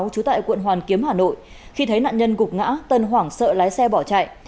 trú tại quận hoàn kiếm hà nội khi thấy nạn nhân gục ngã tân hoảng sợ lái xe bỏ chạy